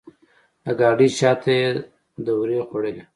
د ګاډۍ شاته یې دورې خوړلې.